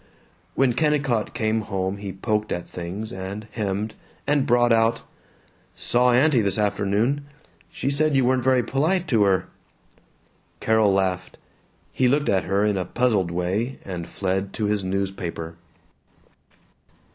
When Kennicott came home he poked at things, and hemmed, and brought out, "Saw aunty, this afternoon. She said you weren't very polite to her." Carol laughed. He looked at her in a puzzled way and fled to his newspaper.